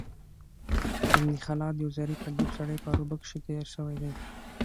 ابن خلاد یو ظریف ادیب سړی په عربو کښي تېر سوى دﺉ.